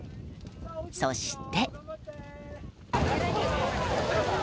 そして。